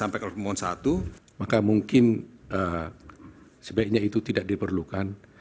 maka mungkin sebaiknya itu tidak diperlukan